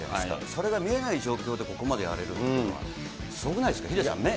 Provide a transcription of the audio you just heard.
それが見えない状況でここまでやれるというのは、すごくないですか、ヒデさんね。